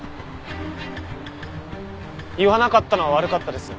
言わなかったのは悪かったです。